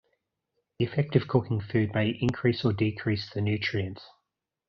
The effect of cooking food may increase or decrease the nutrients.